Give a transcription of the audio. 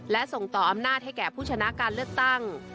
และส่งต่ออำนาจให้แก่ผู้ชนะการเลือกตั้ง